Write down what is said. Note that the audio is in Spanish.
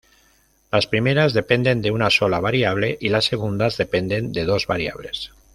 Las primeras dependen de una sola variable y las segundas dependen de dos variables.